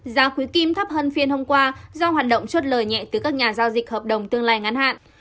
giá khuyến kim thấp hơn phiên hôm qua do hoạt động chốt lời nhẹ từ các nhà giao dịch hợp đồng tương lai ngắn hạn